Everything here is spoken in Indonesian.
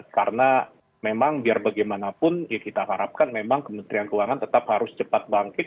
karena memang biar bagaimanapun ya kita harapkan memang kementerian keuangan tetap harus cepat bangkit